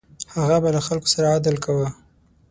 هغه به له خلکو سره عدل کاوه.